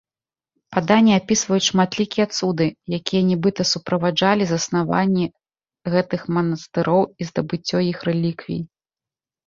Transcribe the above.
Паданні апісваюць шматлікія цуды, якія нібыта суправаджалі заснаванні гэтых манастыроў і здабыццё іх рэліквій.